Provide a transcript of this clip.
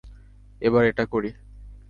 এবার এটা করি।